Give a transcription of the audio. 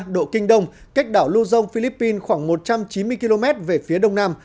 một trăm hai mươi ba độ kinh đông cách đảo lưu dông philippines khoảng một trăm chín mươi km về phía đông nam